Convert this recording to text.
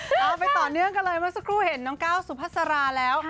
เอาไปต่อเนื่องกันเลยเมื่อสักครู่เห็นน้องก้าวสุภาษาราแล้ว